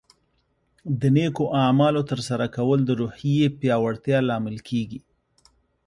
د نیکو اعمالو ترسره کول د روحیې پیاوړتیا لامل کیږي.